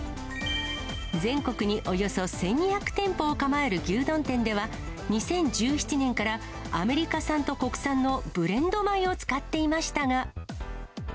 全国におよそ１２００店舗を構える牛丼店では、２０１７年からアメリカ産と国産のブレンド米を使っていましたが。